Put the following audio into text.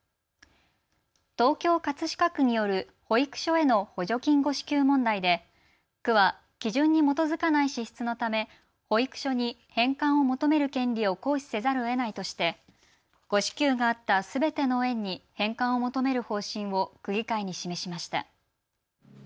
東京葛飾区による保育所への補助金誤支給問題で区は基準に基づかない支出のため保育所に返還を求める権利を行使せざるをえないとして誤支給があったすべての園に返還を求める方針を区議会に示しました。